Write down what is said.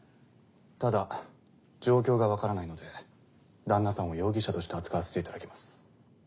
ただ状況が分からないので旦那さんを容疑者として扱わせていただきます。